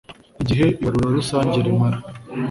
igihe ibarura rusange rimara